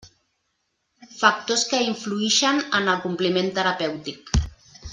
Factors que influïxen en el compliment terapèutic.